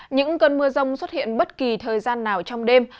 những cơn mưa rông xuất hiện bất kỳ thời gian nào trong đêm